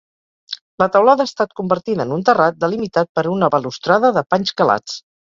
La teulada ha estat convertida en un terrat, delimitat per una balustrada de panys calats.